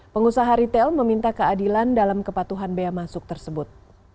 pengusaha retail meminta keadilan dalam kepatuhan bea masuk tersebut